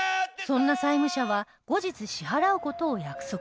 そんな債務者は後日支払う事を約束